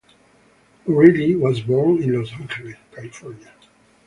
O'Reilly was born in Los Angeles, California.